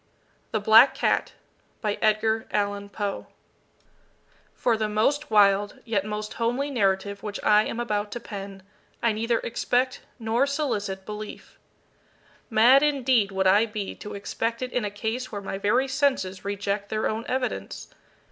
THE BLACK CAT For the most wild, yet most homely narrative which I am about to pen, I neither expect nor solicit belief. Mad indeed would I be to expect it in a case where my very senses reject their own evidence.